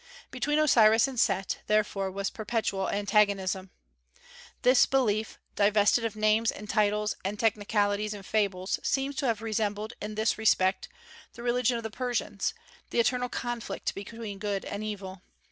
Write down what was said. Between Osiris and Set, therefore, was perpetual antagonism. This belief, divested of names and titles and technicalities and fables, seems to have resembled, in this respect, the religion of the Persians, the eternal conflict between good and evil.